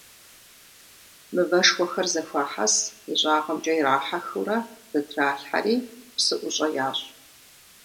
Мывэшхуэхэр зэхуахьэс, ищӀагъымкӀэ ирахьэхыурэ, зэтралъхьэри, псыӀущӀэ ящӀ.